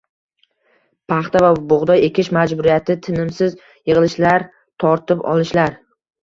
paxta va bug‘doy ekish majburiyati, tinimsiz yig‘ilishlar, tortib olishlar